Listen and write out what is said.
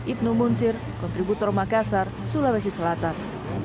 ibnu munsir kontributor makassar sulawesi selatan